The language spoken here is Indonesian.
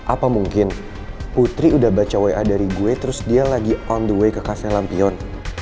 apa mungkin putri udah baca wa dari gue terus dia lagi on the way ke castle lampion